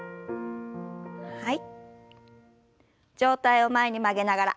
はい。